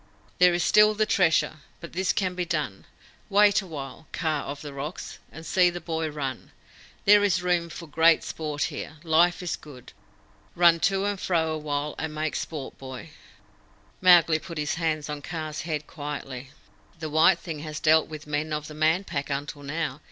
"There is still the Treasure. But this can be done. Wait awhile, Kaa of the Rocks, and see the boy run. There is room for great sport here. Life is good. Run to and fro awhile, and make sport, boy!" Mowgli put his hand on Kaa's head quietly. "The white thing has dealt with men of the Man Pack until now.